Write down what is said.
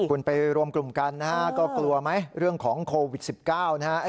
คุณไปรวมกลุ่มกันนะฮะก็กลัวไหมเรื่องของโควิด๑๙นะฮะ